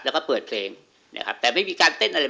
แล้วก็เปิดเพลงนะครับแต่ไม่มีการเต้นอะไร